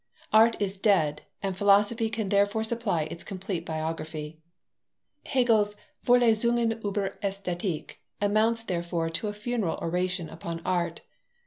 Art is dead, and Philosophy can therefore supply its complete biography. Hegel's Vorlesungen Über Aesthetik amounts therefore to a funeral oration upon Art.